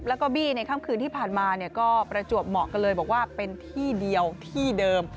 แล้วก็บี้ในค่ำคืนที่ผ่านมาก็ประจวบเหมาะกันเลยบอกว่าเป็นที่เดียวที่เดิม